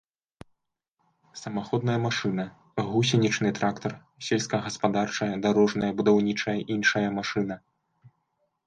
Самаходная машына — гусенічны трактар, сельскагаспадарчая, дарожная, будаўнічая, іншая машына